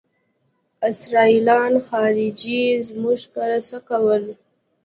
آ سېرېنا خارجۍ زموږ کره څه کول.